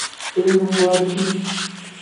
Enungloci.